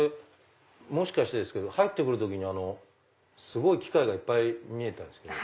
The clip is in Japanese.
もしかしてですけど入って来る時にすごい機械がいっぱい見えたんです。